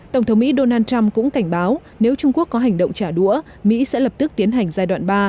tổng thống mỹ donald trump cũng cảnh báo nếu trung quốc có hành động trả đũa mỹ sẽ lập tức tiến hành giai đoạn ba